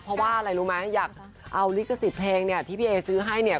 เพราะว่าอะไรรู้ไหมอยากเอาลิขสิทธิ์เพลงเนี่ยที่พี่เอซื้อให้เนี่ย